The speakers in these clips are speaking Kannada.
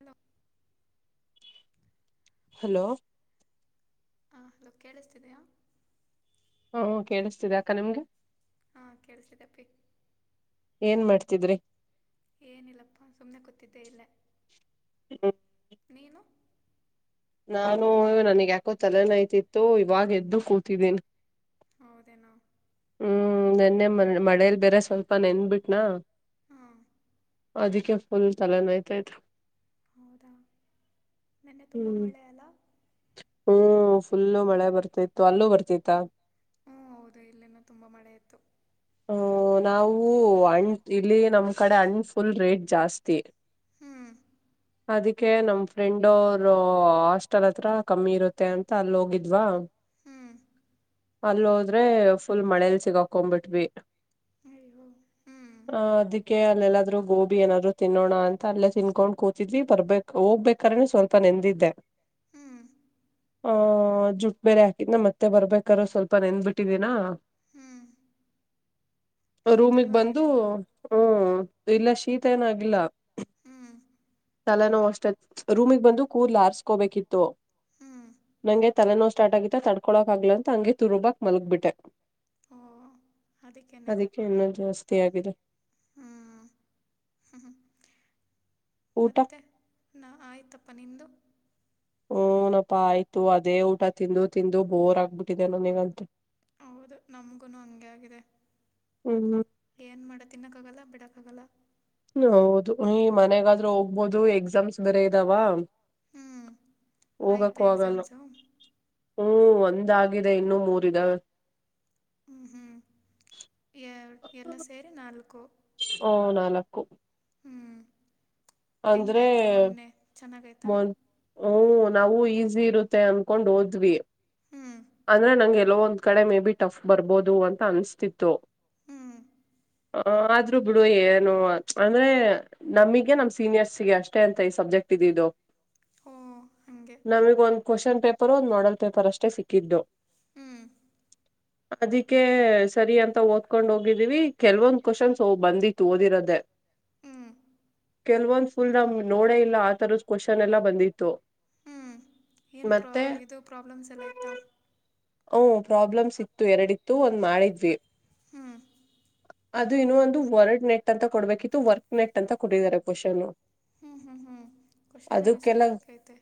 ಹಲೋ ಹಲೋ ಹಾ ಹಲೋ ಕೇಳಿಸತಿದಯ ಹ್ಮ ಕೇಳಿಸ್ತಿದೆ ಅಕ್ಕ ನಿಮ್ಗೆ ಹಾ ಕೇಳಸ್ತಿದಪ್ಪಿ ಿದ್ರಿ ಏನಿಲ್ಲಪ್ಪಾ ಸುಮ್ನೆ ಗೊತ್ತಿದ್ದೆ ಇಲ್ಲ ಹ್ಮ ನೀೇನು ನಾನು ನನಗ್ ಯಾಕೋ ತಲೆನಯ್ತಿತ್ತು ಇವಾಗ ಎದ್ದು ಕೂತಿದ್ದೀನಿ ಹೌದೇನಾ ಹ್ಮ್ ನೆನ್ನೆ ಮ ಮಳೇಲಿ ಬೇರೆ ಸ್ವಲ್ಪ ನೆನ್ಬಿಟ್ನಾ ಹ್ಮ ಅದಕ್ಕೆ ಫುಲ್ ತಲೆನ ಆಯ್ತ ಆಯ್ತು ಹೌದಾ ನಿೆನ್ನೆ ತುಂಬಾ ಮಳೆ ಅಲ್ಲ ಹ್ಮ್ ಫುಲ್ಲು ಮಳೆ ಬರ್ತತ್ತು ಅಲ್ಲೂ ಬರ್ತಿತ್ತ ಹ್ಮ ಹೌದು ಇಲ್ಲೆಲ್ಲಾ ತುಂಬಾ ಮಳೆ ಇತ್ತು ಹ ನಾವು ಅಂ ಇಲ್ಲಿ ನಮ್ ಕಡೆ ಅಣ್ ಫುಲ್ ರೇಟ್ ಜಾಸ್ತಿ ಅದಕ್ಕೆ ನಮ್ ಫ್ರೆಂಡ್ ಅವರು ಹಾಸ್ಟೆಲ್ ಹತ್ರ ಕಮ್ಮಿ ಇರುತ್ತೆ ಅಂತ ಅಲ್ಲಿ ಹೋಗಿದ್ವಾ ಅಲ್ಲಿ ಹೋದ್ರೆ ಫುಲ್ ಮಳೇಲಿ ಸಿಗಾಕೊಂಡ್ಬಿಟ್ವಿ ಹದಿ ಅಲ್ಲೆಲ್ಲಾದ್ರೂ ಗೋಬಿ ಏನಾದ್ರು ತಿನ್ನೋಣ ಅಂತ ಅಲ್ಲೇ ತಿನ್ಕೊಂಡ್ ಕೂತಿದ್ವಿ ಬರ್ಬೇಕು ಹೋಗ್ಬೇಕಾದ್ರ ಸ್ವಲ್ಪ ನೆಂದಿದ್ದೆ ಹ ಜುಟ್ ಬೇರೆ ಹಾಕಿದ್ನ ಮತ್ತೆ ಬರ್ಬೇಕಾರ ಸ್ವಲ್ಪ ನೆಂದಬಿಟ್ಟಿದೀಿನ ರೂಮಿಗೆ ಬಂದು ಹ್ಮ ಇಲ್ಲ ಶೀತ ಏನಾಗಿಲ್ಲ ಹ್ಮ್ ತಲ ನೋ ಅಷ್ಟೆ ರೂಮಿಗೆ ಬಂದು ಕೂರ್ಲ ಹಾರ್ಸ್ಕೋಬೇಕಿತ್ತು ನಂಗೆ ತಲೆನೋವು ಸ್ಟಾರ್ಟ್ ಆಗಿತ್ತು ತಡ್ಕೊಳಕ್ ಆಗ್ಲ ಅಂತ ಹಂಂಗಗೆ ತುರುಬಾಕ್ ಮಲಗ್ಬಿಟ್ಟೆ ಹ್ಮ ಅದಕ್ಕೆ ಇನ್ನ ಜಾಸ್ತಿ ಆಗಾಗಿದೆ ಹ್ಮ್ ಹ ಮತ್ತೆ ನಾ ಆಯ್ತಪ್ಪ ನಿಂದು ಹಓನಪ್ಪಾ ಆಯ್ತು ಅದೇ ಊಟ ತಿಂದು ತಿಂದು ಬೋರ್ ಆಗ್ಬಿಟ್ಟಿದೆೇನೋ ನೀವತ್ ಹೌದು ನಮ್ಗುನು ಹಂಗಗೆ ಆಗಿದೆ ಏನ್ ಮಾಡ ತಿನ್ನಕ್ಕ ಆಗಲ್ಲ ಬಿಡಕ್ ಹಾಗಗಲ್ಲ ಹೌದು ಈ ಮನ್ಯಗಾದ್ರೂ ಹೋಗ್ಬಹದು ಎಕ್ಸಾಮ್ಸ್ ಬೇರೆ ಇದಾವ ಹ್ಮ್ ಆಯ್ತಾ ಎಕ್ಸಾಮ್ಸು ಹ್ಮ ಒಂದ್ಾಗಿದೆ ಇನ್ನುೂ ಮೂರಿದವ ಹ್ಮ್ ಹ್ಮ್ ಎ ಎಲ್ಲ ಸೇರಿ ನಾಲ್ಕು. ಓ ನಾಲಕ್ಕು ಹೆಂಗಾಯ್ತು ಮೊನ್ನೆ ಚೆನ್ನಾಗಾಯ್ತಾ ಹ್ಮ ನಾವು ಈಸಿ ಇರುತ್ತೆ ಅನ್ಕೊಂಡ್ ಹೋದ್ವಿ ಅಂದ್ರೆ ನಂಗೆ ಎಲ್ಲೋ ಒಂದ್ ಕಡೆ ಮೇ ಬಿ ಟಫ್ ಬರ್ಬೋದು ಅಂತ ಅನ್ಸ್ತಿತ್ತು. ಹ ಆದ್ರೂ ಬಿಡು ಏನು ಅಂದ್ರೆ ನಮಗೆ ನಮ್ ಸೀನಿಯರ್ಸ್ಗೆ ಅಷ್ಟೇ ಅಂತ ಈ ಸಬ್ಜೆಕ್ ಕ್ಟ್ ಇದ್ದಿದ್ದು ನಮಿಗ್ ಒಂದ್ ಕ್ವಶನ್ ಪೇಪರ್ ಒಂದ್ ಮಾಡಲ್ ಪೇಪರ್ ಅಷ್ಟೆ ಸಿಕ್ಕಿದ್ದು. ಹ್ಮ್ ಅದಕ್ಕೆ ಸರಿ ಅಂತ ಓದ್ಕೊಂಡ್ ಹೋಗಿದೀವಿ ಕೆಲ್ವೊಂದ್ ಕ್ವಶನ್ಸ್ ಬಂದಿತ್ತು ಓದಿರೋದೆೇ. ಕೆಲ್ವೊಂದ್ ಫುಲ್ ನಮ್ ನೋಡ ಇಲ್ಲ ಆ ತರದ್ ಕ್ವಶನ್ ಎಲ್ಲಾ ಬಂದಿತ್ತು. ಹ್ಮ್ ಏನ್ ಪ್ರಾ ಇದು ಪ್ರಾಬ್ಲಮ್ಸ್ ಎಲ್ಲ ಇತ್ತಾ. ಓ ಪ್ರಾಬ್ಲಮ್ಸ್ ಇತ್ತು ಎರಡಿತ್ತು ಒಂದ್ ಮಾಡಿದ್ವಿ. ಹ್ಮ್ ಅದು ಇನ್ನು ಒಂದು ವರ್ಡ್ ನೆಟ್ ಅಂತ ಕೊಡ್ಬೇಕಿತ್ತು ವರ್ಕ್ ನೆಟ್ ಅಂತ ಕೊಟ್ಟಿದ್ದಾರೆ ಕ್ವಶನ್ನು. ಹ್ಮ್ ಹ್ಮ್ ಹ್ಮ್ ಕ್ವಶನ್ನೇ ಮಿಸ್ಟೇಕ್ ಐತೆ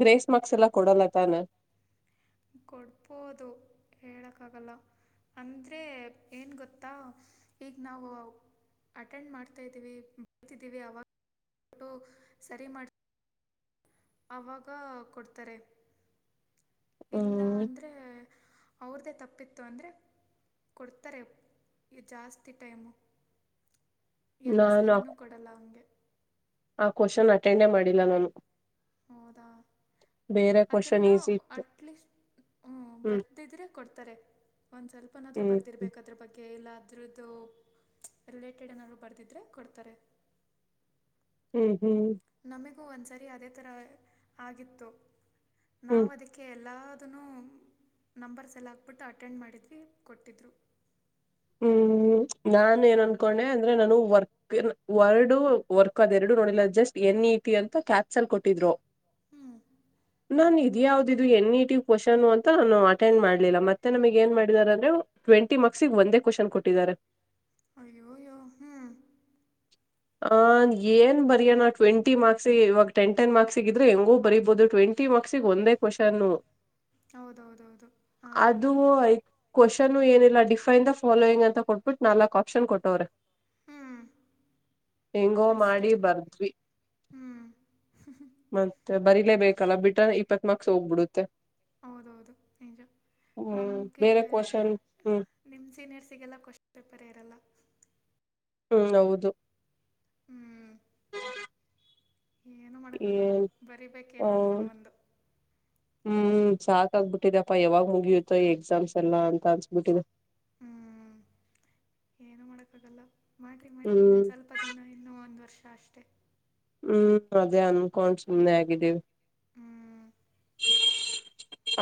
ಗ್ರೇಸ್ ಮಾರ್ಕ್ಸ್ ಎಲ್ಲಾ ಕೊಡಲ್ಲ ತಾನೇ ಕೊಡ್ಬೋದು ಹೇಳಕ್ ಆಗಲ್ಲ ಅಂದ್ರೆ ಏನ್ ಗೊತ್ತಾ ಈಗ ನಾವು ಅಟೆಂಡ್ ಮಾಡ್ತಾ ಇದೀವಿ ಬರ್ತಿದ್ದೀವಿ ಅವಾಗ ಫೋಟೋ ಸರಿ ಮಾಡ್ ಅವಾಗ ಕೊಡ್ತಾರೆ ಇಲ್ಲ ಅಂದ್ರೆ ಅವ್ರ್ದೇ ತಪ್ಪಿತ್ತು ಅಂದ್ರೆ ಕೊಡ್ತಾರೆ ಇ ಜಾಸ್ತಿ ಟೈಮು ನಾನ ಆ ಕ್ವೊಶನ್ ಅಟೆಂಡೇ ಮಾಡಿಲ್ಲ ನಾನು ಹೌದಾ ಬೇರೆ ಕ್ವೆಶನ್ ಈಸಿ ಇತ್ತು ಹ್ಮ್ ಬರ್ದಿದ್ರೆ ಕೊಡ್ತಾರೆ ಒಂದ್ ಸ್ವಲ್ಪನಾದ್ರು ಬರ್ದಿರ್ಬೇಕದ್ರ ಬಗ್ಗೆ ಇಲ್ಲ ಅದ್ರದ್ದು ರಿಲೇಟೆಡ್ ಏನಾದ್ರು ಬರ್ದಿದ್ರೆ ಕೊಡ್ತಾರೆ ಹ್ಮ್ ಹ್ಮ್ ಒಂದ್ಸರಿ ಅದೇ ತರ ಆಗಿತ್ತು ನಾವ್ ಅದಕ್ಕೆ ಎಲ್ಲಾ ದುನ್ನು ನಂಬರ್ಸ್ ಎಲ್ಲ ಹಾಕ್ಬಿಟ್ಟು ಅಟೆಂಡ್ ಮಾಡಿದ್ವಿ ಕೊಟ್ಟಿದ್ರು ಹ್ಮ್ ನಾನ್ ಏನ್ ಅನ್ಕೊಂಡೆ ಅಂದ್ರೆ ನಾನು ವರ್ಕ್ ವರ್ಡು ವರ್ಕ್ ಅದೆ ಎರಡು ನೋಡಿಲ್ಲ ಜಸ್ಟ್ ಎನ್ ಈ ತಿ ಅಂತ ಕ್ಯಾಪ್ಸಲ್ ಕೊಟ್ಟಿದ್ರು ಹ್ಮ್ ನಾನ್ ಇದ ಯಾವ್ದ ಇದು ಎನ್ ಈ ಟಿ ಕ್ವಶನ್ನು ಅಂತ ನಾನು ಅಟೆಂಡ್ ಮಾಡ್ಲಿಲ್ಲ ಮತ್ತೆ ನಮಗ್ ಏನ್ ಮಾಡಿದಾರ ಅಂದ್ರೆ ಟ್ವೆಂಟಿ ಮಾರ್ಕ್ಸಿಗೆ ಒಂದೇ ಕ್ವಶನ್ ಕೊಟ್ಟಿದ್ದಾರೆ ಅಯ್ಯೋಯ್ಯೋ ಹ್ಮ್ ಆ ಏನ್ ಬರಯೋಣ ಟ್ವೆಂಟಿ ಮಾರ್ಕ್ಸ್ ಇವಾಗ ಟೆನ್ ಟೆನ್ ಮಾರ್ಕ್ಸಿಗಿದ್ರೆ ಹೆಂಗೋ ಬರಿಬಹುದು ಟ್ವೆಂ ಂಟಿ ಮಕ್ಸಿ ಒಂದೇ ಕ್ವಶನ್ನು ಹೌದೌದೌದು ಆಗಲ್ಲ ಕ್ವಶನ್ನು ಏನಿಲ್ಲ ಡಿಫೈನ್ ದ ಫಾಲೋಯಿಂಗ್ ಅಂತ ಕೊಟ್ಬಿಟ್ಟು ನಾಲಕ್ ಆಪ್ಷನ್ ಕೊಟ್ಟವ್ರೆ ಹೆಂಗೋ ಮಾಡಿ ಬರ್ದ್ವಿ ಮತ್ತೆ ಬರಿಲೇಬೇಕಲ್ಲ ಬಿಟ್ರ ಇಪ್ಪತ್ ಮಾರ್ಕ್ಸ್ ಹೋಗ್ಬಿಡುತ್ತೆ ಹೌದೌದು ನಿಜ ನಮ್ಗೆ ನಿಮ್ ಸೀನಿಯರ್ಸಿಗೆಲ್ಲ ಕ್ವಶನ್ ಪೇಪರ್ ಇರಲ್ಲ ಹ್ಮ್ ಹೌದು ಹ್ಮ್ ಏನು ಮಾಡಕ್ಕಾಗಲ್ಲ ಬರಿಬೇಕೇನಾದ್ರುನು ಒಂದು ಹ್ಮ್ ಸಾಕಾಗ್ಬಿಟ್ಟಿದೆಪ್ಪ ಯಾವಾಗ್ ಮುಗಿಯತ ಎಕ್ಸಾಮ್ಸ್ ಎಲ್ಲಾ ಅಂತ ಅನ್ಸ್ಬಿಟ್ಟಿದೆ ಮಾಡ್ರಿ ಮಾಡ್ರಿ ನನ್ನ ಸ್ವಲ್ಪ ದಿನ ಇನ್ನೂ ಒಂದ್ ವರ್ಷ ಅಷ್ಟೆ. ಹ್ಮ್ ಅದೇ ಅನ್ಕೊಂಡ ಸುಮ್ನೆ ಆಗಿದ್ದೀವಿ. ಹ್ಮ್.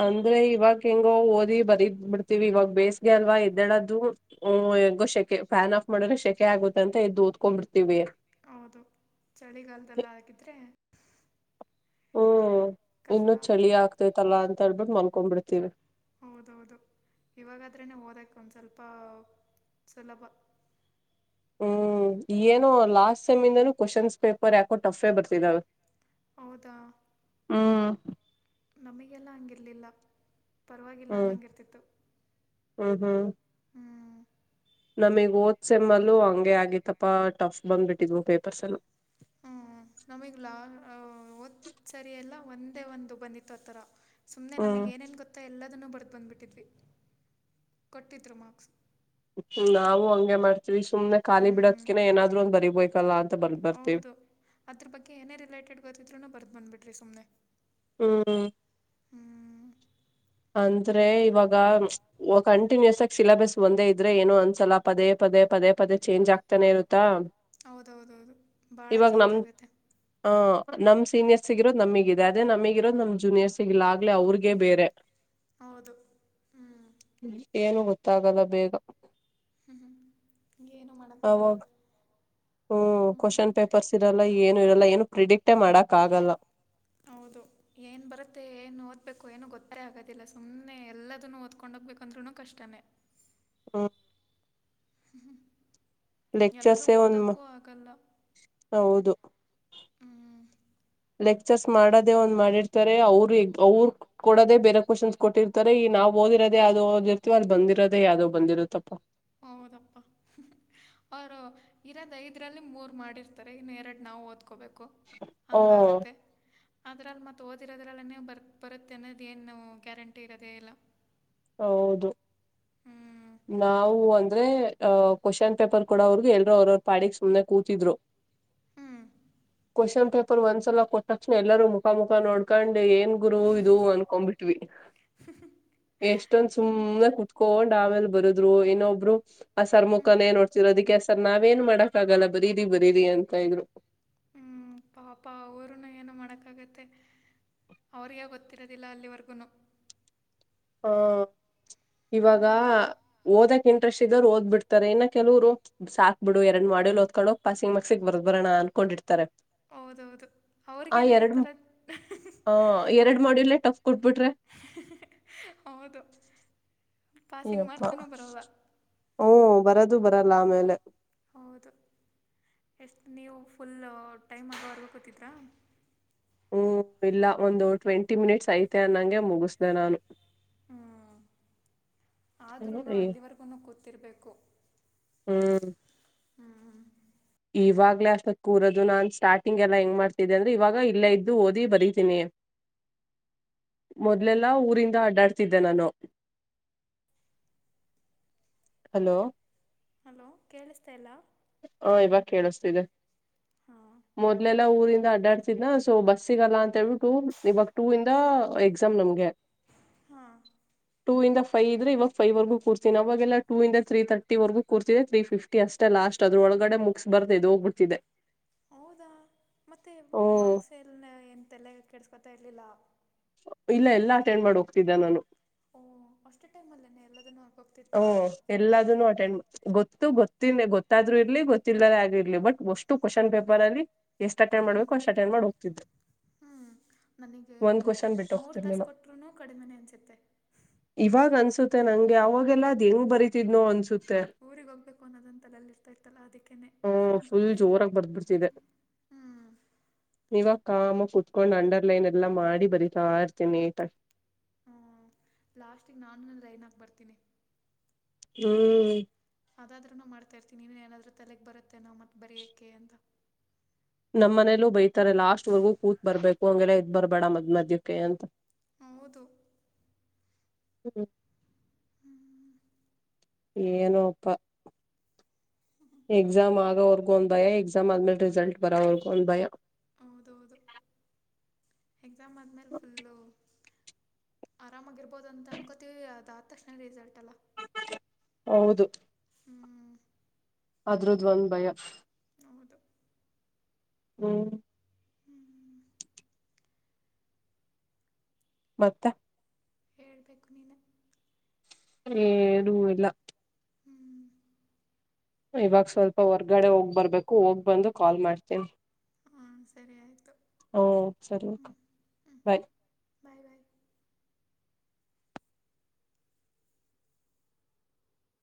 ಅಂದ್ರೆ ಇವಾಗ್ ಹೆಂಗೋ ಓದಿ ಬರೀದ. ಬಿಡ್ತೀವಿ ಇವಾಗ ಬೇಸ್ಗೆ ಅಲ್ವಾ ಇದ್ದಳ್ದದು ಹು ಹೆಂಗೋ ಶಕೆ ಫ್ಯಾನ್ ಆಫ್ ಮಾಡಿದ್ರೆ ಸೆಕೆ ಆಗುತ್ತಂತೆ. ಎದ್ ಓದ್ಕೊಂಡ್ ಬಿಡ್ತೀವಿ. ಹೌದು ಚಳಿಗಾಲದಲ್ಲ ಆಗಿದ್ರೆ. ಹ್ಮ್ ಇನ್ನುೂ ಚಳಿ ಆಗ್ತೇತಲ್ಲಾ ಅಂತ ಹೇಳ್ಬಿಟ್ಟು ಮಲ್ಕೊಂಡು ಬಿಡ್ತೀವಿ. ಹೌದೌದು ಇವಾಗಾದ್ರೇನೆ ಓದಕ್ ಒಂದ್ ಸ್ವಲ್ಪ. ಸುಲಭ. ಹ್ಮ್ ಏನುೋ ಲಾಸ್ಟ್ ಸೈಮ್ ಇಂದನು ಕ್ವಶನ್ಸ್ ಪೇಪರ್ ಯಾಕೋ ಟಫ್ ಬರ್ತಿದಾವೆ. ಹೌದಾ. ಹ್ಮ. ನಮಗೆಲ್ಲ ಹಂಗಿರ್ಲಿಲ್ಲ ಪರವಾಗಿಲ್ಲ ಅನ್ನಂಗಿರ್ತಿತ್ತು. ಹ್ಮ ಹ್ಮ. ನಮಗ್ ಹೋದ ಸೇಮ್ ಅಲು ಹಂಗೆ ಆಗತ್ತಪ್ಪ ಟಫ್ ಬಂದ್ಬಿಟ್ಟಿದ್ವು ಪೇಪರ್ಸ್ ಎಲ್ಲ. [inaudible] ನಮಗ್ ಲಾ ಹೋದ ಸರಿ ಎಲ್ಲ ಒಂದೇ ಒಂದು ಬಂದಿತ್ತು ಆತರ. ಸುಮ್ಮನೆ ನಮಗ ಏನೇನು ಗೊತ್ತ ಎಲ್ಲದನ್ನೂ ಬರೆದು ಬಂದುಬಿಟ್ಟಿದ್ವಿ ಕೊಟ್ಟಿದರು ಮಾರ್ಕ್ಸ್. ಹ್ಮ ನಾವವು ಹಂಗೆ ಮಾಡ್ತೀವಿ ಸುಮ್ನೆ ಖಾಲಿ ಬಿಡೋದ್ಕಿನ ಏನಾದ್ರು ಒಂದ ಬರಿಬೇಕಲ್ಲ. ಹೌದು ಅದ್ರ ಬಗ್ಗೆ ಏನೇ ರಿಲೇಟೆಡ್ ಗೊತ್ತಿದ್ರುನ ಬರದ ಬಂದ್ ಬಿಡ್ರಿ ಸುಮ್ನೆ. ಹ್ಮ್. ಅಂದ್ರೆ ಇವಾಗ ಕಂಟಿನ್ಯೂಸ್ ಆಗಿ ಸಿಲೆಬಸ್ ಒಂದೇ ಇದ್ರೆ ಏನು ಅನ್ಸಲ ಪದೇ ಪದ. ಪದೇ ಪದೇ ಪದೇ ಚೇಂಜ್ ಆಗ್ತಾನೇ ಇರುತ್ತ. ಹೌದ ಹೌದ ಹೌದು ಬಾಳ ಚೇಂಜ್ ಆಗೈತೆ. ನಮ್ ಸೀನಿಯರ್ಸ್ ಸಿಗಿರೋದು ನಮಿಗ ಇದೆ ಅದೇ ನಮಿಗಿರೋದು ನಮ್ ಜೂನಿಯರ್ಸ್ ಸಿಗ ಇಲ್ಲ ಆಗ್ಲಲೆ ಅವ್ರಗೇ ಬೇರೆ. ಹೌದು ಹ್ಮ್. ಗೊತ್ತಾಗಲ್ಲ ಬೇಗ. ಹ್ಮ್ ಹ್ಮ್ ಹ ಏನು ಮಾಡಕ್ಕ ಆಗಲ್ಲ. ಹ್ಮ್ ಕ್ವೆಷನ್ ಪೇಪರ್ಸ್ ಇರಲ್ಲ ಏನು ಇರಲ್ಲ ಏನು ಪ್ರಿಡಿಕ್ಟೇ ಮಾಡಕ್ ಆಗಲ್ಲ. ಹೌದು ಏನ್ ಬರುತ್ತೆ ಏನ್ ಓದ್ಬೇಕು ಏನು ಗೊತ್ತೇ ಆಗೋದಿಲ್ಲ ಸುಮ್ಮ್ನೆ ಎಲ್ಲದನ್ನು ಓದ್ಕೊಂಡ್. ಹೋಗಬೇಕಂದ್ರು ಕಷ್ಟನೇ. ಹ್ಮ. [inaudible] ಲೆಕ್ಚರ್ ಸೇ ಒಂದ್ ಹೌದು. ಲೆಕ್ಚರ್ಸ್ ಮಾಡೋದೇ ಒಂದ್ ಮಾಡಿರ್ತಾರೆ ಅವ್ರರು ಅವ್ರು ಕೊಡದೆೇ ಬೇರೆ ಕ್ವಶನ್ಸ್ ಕೊಟ್ಟಿರ್ತಾರೆ ಈ ನಾವ. ಓದಿರೋದೇ ಯಾವ್ದೋ ಓದಿರ್ತೀವಿ ಅದ ಬಂದಿರೋದೇ ಯಾವ್ದೋ ಬಂದಿರತ್ತಪ್ಪ. ಅವರು ಇರದ್ ಐದರಲ್ಲಿ ಮೂರ್ ಮಾಡಿರ್ತಾರೆ ಇನ್ನು ಎರಡು ನಾವು ಓದ್ಕೋಬೇಕು. ಕು ಹಂಗ ಆಗುತ್ತೆ. ಅದ್ರಲ್ಲಿ ಮತ್ತ ಓದಿರೋದ್ರಲ್ಲ ನೀವು ಬರ್ ಬರುತ್ತೆ ಅನ್ನೋದು ಏನ ಗ್ಯಾರಂಟಿ ಇರೋದೇ ಇಲ್ಲ. ಹೌದು ನಾವು. [unintelligible] ಅಂದ್ರೆ ಅ ಕ್ವಶನ್ ಪೇಪರ್ ಕೊಡವರು ಎಲ್ರರು ಅವ್ರವರು ಪಾಡಿಕ್ ಸುಮನೆ ಕೂತಿದ್ರು. ಕ್ವನ್ ಪೇಪರ್ ಒಂದ್ ಸಲ ಕೋಟ ತಕ್ಷಣ ಎಲ್ಲರೂ ಮುಖ ಮುಖ ನೋಡ್ಕೊಂಡ. ಏನ್ ಗುರು ಇದು ಅನ್ಕೊಂಡ್ಬಿಟ್ವಿ ಎಷ್ಟೊಂದ ಸುಮ್ಮ್ನೆ ಕುತ್ಕೋ ತೊಂಡ್ ಆಮೇಲೆ ಬರುದ್ರು ಇನ್ನೊಬ್ಬರು ಆ ಸರ್ ಮುಖಾನೇ ನೋಡ್ತರರು ಅದಿಕ್ಕೆ ಸರ್ ನಾವೇಏನ್ ಮಾಡಕ್ ಆಗಲ್ಲ ಬರೀ ರಿ ಬರೀರಿ ಅಂತ ಇದ್ರು. ಪಾಪ ಅವರುನು ಏನು ಮಾಡಕ್ಕ ಆಗತ್ತೆ. ಅವ್ರಗೆ ಗೊತ್ತಿರೋದಿಲ್ಲ ಅಲ್ಲಿವರೆಗೂನು. ಹ್ಮ. ಇವಾಗ ಓದಕ್ ಇಂಟ್ರೆಸ್ಟ್ ಇದ್ದರು ಓದಿ ಬಿಡ್ತಾರೆ ಏನ ಕೆಲವರು ಸಾಕ್ ಬಿಿಡು ಎರಡ್ ಮಾ ಮಾಡಿ ದ್ಕೊಂಡೋಗ ಪಾಸಿಂಗ್ಕ್ಸಿಗೆ ಬರ್ ಬರೋ ಅನ್ಕೊಂಡಿರ್ತಾರೆ. ಆ ಎರಡ್ [inaudible] ಆ ಎರಡ್ ಮಾಡಲ್ಲೇ ಟಫ್ ಕೊಟ್ಬಿಟ್ರೆ [inaudible] ಹೌದು. ಇ್ಯಪ್ಪ ಹ್ಮ್ಮ್ ಬರದು ಬರಲ್ಲ ಆಮೇಲೆ. ಹೌದು. ಎಷ್ಟು ನೀವು ಫುಲ್ ಟೈಮ್ ಆಗವರ್ಗ ಕೂತಿದ್ರಾ. ಹ್ಮ ಇಲ್ಲ ಒಂದು ಟ್ವೆಂಟಿ ಮಿನಿಟ್ಸ್ ಐತೆ ಅನ್ನಂಗೆ ಮುಗಿಸ್ದೆ ನಾನು. ಹ್ಮ್ಮ್ ಆದ್ರೂ ಅಲ್ಲಿವರೆಗು ಕೂತಿರ್ಬೇಕು. [inaudible] ಇವಾಗಲೇ ಅಷ್ಟ ಕೂರದು ನಾನ್ ಸ್ಟಾರ್ಟಿಂಗ್ ಎಲ್ಲಾ ಹೆಂಗ ಮಾಡ್ತಿದ್ದೆ ಅಂದ್ರೆ ಇವಾಗ ಇಲ್ಲೇ ಇದ್ದು ಓದಿ ಬರಿತೀನಿ. ಮೊದಲೆಲ್ಲ ಊರಿಂದ ಅಡ್ಡಾಡ್ತಿದ್ದೆ ನಾನು. [inaudible] ಹಲೋ ಹಲೋ ಕೇಳಿಸ್ತಾಲ್ಲಾ ಹಾ ಇವಾಗ ಕೇಳಿಸತಿದೆ ಮೊದ್ಲೆಲ್ಲಾ ಊರಿಂದ ಅಡ್. ಡಾಡ್ತಿದ್ನ ಸೊ ಬಸ್ ಸಿಗಲ್ಲ ಅಂತೇಳ್ಬಿಟ್ಟು ಇವಾಗ ಟೂ ಇಂದ ಎಕ್ಸಾಮ್ ನಮ್ಗೆ. ಹಾ ಟೂ ಇ ಫೈವ ಇದ್ರೆ ಇವಾಗಫೈವರೆಗೂರ್ತೀ ಅವಾಗೆಲ್ಲ ಟೂಂದ ತ್ರೀ ತರ್ಟಿರೆಗೂರ್ತಿದೆ ತ್ರ ಫ್ಟಿ ಅಷ್ಟೇ ಲಸ್ಟ್. ಅದ್ರ ಒಳಗಡೆ ಮುಗಿಸಸ್ ಬರ್ದೆ ಇದು ಹೋಗ್ಬಿಟ್ಟಿದೆ. ಹೌದಾ ಮತ್ತೆ ಮಾರ್ಕ್ಸ ಎಲ್ ಏನ್ ತಲೆ ಕೆಡ್ಸ್ಕೊತಾ ಇರ್ಲಿಲ್ಲ. ಇಲ್ಲ ಎಲ್ಲಾ ಅಟೆಂಡ್ ಮಾಡ ಹೋಗ್ತಿದ್ದೆ ನಾನು. ಓ ಅಷ್ಟು ಟೈಮ್ ಅಲ್ಲೇನೆ ಎಲ್ಲದನ್ನೂ. ಹಓ ಎಲ್ಲ ಅಟೆಂಡ್ ಗೊತ್ ಇ ಗೊತ್ತಿಲ್ಲ ಗೊತ್ತಾದ್ರು ಇರ್ಲಿ ಗೊತ್ತಿಲ್ಲದಾರೇ ಆಗಿರ್ಲಿ ಬಟ್ ಒಷ್ಟು ಕ್ವಶನ್ ಪೇಪರ್ ಅಲ್ಲಿ. ಎಷ್ಟು ಅಟೆಂಡ್ ಮಾಡ್ಬೇಕು ಅಷ್ಟು ಅಟೆಂಡ್ ಮಾಡಿ ಹೋಗ್ತಿದ್ರು. ಹ್ಮ್ ನನಗೆ ಈ ಮೂರ್ ತಾಸ ಕೊಟ್ರುನು ಕಡಿಮನೆ ಅನ್ಸುತ್ತೆ. ಇವಾಗ್ ಅನ್ಸುತ್ತೆ ನಂಗೆ ಅವಾಗೆಲ್ಲ ಅದ್ ಹೆಂಗ್ ಬರೀತಿದ್ನೋ ಅನ್ಸು. ಊರಿಗೆ ಹೋಗ್ಬೇಕು ಅನ್ನೋದಂತಲ್ಲ ಅಲ್ಲಿ ಇರ್ತಾ ಇರ್ತಲ್ಲ ಅದಕ್ಕೇನೆೇ. ಹ [inaudible] ಈವಾಗ್ ಕಾಮ ಕುೂತ್ಕೊಂಡ್ ಅಂಡರ್ಲೈನ್ ಎಲ್ಲಾ ಮಾಡಿ ಬರತಾ ಇರ್ತೇನೆ ನಿಟ್. ಹ್ಮ್ ಲಾಸ್ಟಗ್ ನಾನುಂದ್ರ ಐದ್ ಲೈನ್ ಹಾಕ್ ಬರ್ತೀನಿ. ಹ್ಮ್ ಅದಾದ್ರೂನು ಮಾಡ್ತಾ ಇರ್ತೀನಿ ನೀ ಏನಾದ್ರೂ ತಲೆಗ್ ಬರುತ್ತೆ ನಾ ಮತ್ತೆ ಬರೆಯಕೆ ಅಂತ. ನಮ್ಮ್ ಮನೇಲ್ಲೂ ಬೈತಾರೆ ಲಾಸ್ಟ್ ವರ್ಗೂ ಕೂತ್ ಬರ್ಬೇಕು ಹಂಗೆಲ್ಲಾ ಇದ್ ಬರ್ಬೇಡ ಮದ್ ಮದಕ್ಕೆ ಅಂತ. ಹೌದು. ಹ್ಮ್ [inaudible] ಏನೋಪ್ಪ. ಎಕ್ಸಾಮ್ ಆಗೋವರ್ಗೂ ಒಂದ್ ಭಯ ಎಕ್ಸಾಮ್ ಆದ್ಮೇಲೆ ರಿಸಲ್ಟ್ ಬರೋವರ್ಗೂ ಒಂದ ಭಯ. ಹೌದೌದು ಎಕ್ಸಾಮ್ ಆದ್ಮೇಲೆ ಫುಲ್ಲು. ಆರಾಮಾಗಿರ್ಬೋದ ಅಂತ ಅನ್ಕೋತಿವಿ ಅದಾದ ತಕ್ಷಣ ರಿಸಲ್ಟ್ ಅಲ್ಲಾ. ಹೌದು. ಅದ್ರದ ಒಂದ್ ಭಯ. ಹ್ಮ್ ಮತ್ತೆ. ಹೇಳ್ಬೇಕು ನೀನು. ಹ ಏನೂ ಇಲ್ಲ. ಇವಾಗ ಸ್ವಲ್ಪ ಹೊರ್ಗಡೆ ಹೋಗ್ ಬರ್ಬೇಕು ಹೋಗ್ ಬಂದು ಕಾಲ್ ಮಾಡ್ತೀನಿ. ಹ್ಮ ಸರಿ ಆಯ್ತು. ಹ್ಮ ಸರಿ ಬಾಯ್. ಬಾಯ್ ಬಾಯ್.